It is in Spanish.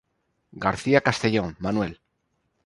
García Castellón, Manuel.